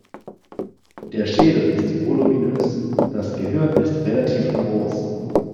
Der Schädel ist voluminös, das Gehirn ist relativ groß.